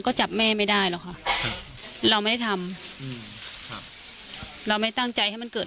ก็จับแม่ไม่ได้หรอกค่ะครับเราไม่ได้ทำอืมครับเราไม่ตั้งใจให้มันเกิด